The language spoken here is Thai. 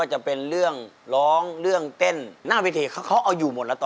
ฟังฟังแล้วค่ะเพ็งไงลูกเสร็จครับ